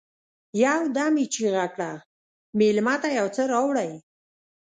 يودم يې چيغه کړه: مېلمه ته يو څه راوړئ!